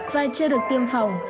và chưa được tiêm phòng